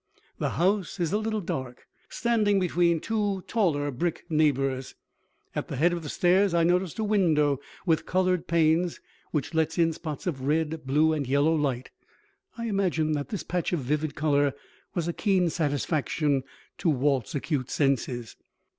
The house is a little dark, standing between two taller brick neighbors. At the head of the stairs I noticed a window with colored panes, which lets in spots of red, blue and yellow light. I imagine that this patch of vivid color was a keen satisfaction to Walt's acute senses.